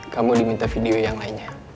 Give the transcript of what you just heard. kamu diminta video yang lainnya